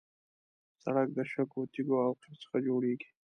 سړک د شګو، تیږو او قیر څخه جوړېږي.